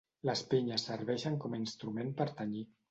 Les pinyes serveixen com a instrument per tenyir.